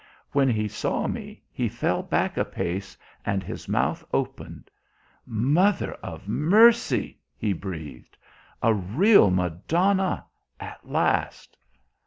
When he saw me he fell back a pace and his mouth opened. 'Mother of mercy!' he breathed. 'A real Madonna at last!'